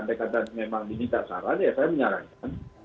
anda katakan memang dihintar sarannya saya menyarankan